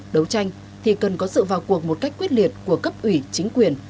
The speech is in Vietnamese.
đấu tranh thì cần có sự vào cuộc một cách quyết liệt của cấp ủy chính quyền